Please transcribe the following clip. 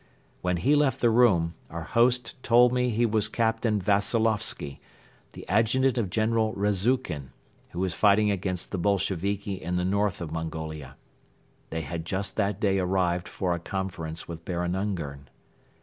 When he left the room, our host told me that he was Captain Veseloffsky, the adjutant of General Rezukhin, who was fighting against the Bolsheviki in the north of Mongolia. They had just that day arrived for a conference with Baron Ungern.